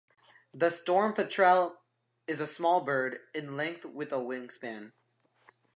The storm petrel is a small bird, in length with a wingspan.